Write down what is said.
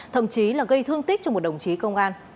thậm chí là gây thương tích cho một đồng chí công an